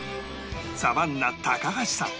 サバンナ高橋さん